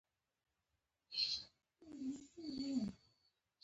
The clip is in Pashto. د سیاسي تمرکز او دولتي بنسټونو پروسې ته دوام ورکړل شوه.